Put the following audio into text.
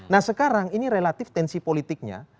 nah sekarang ini relatif tensi politik itu